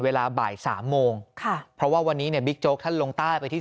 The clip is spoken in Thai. เวลาบ่าย๓โมงค่ะเพราะวันนี้ในบิ๊กโจ๊กท่านลงต้านไปที่